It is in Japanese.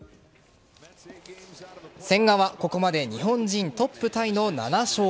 千賀はここまで日本人トップタイの７勝。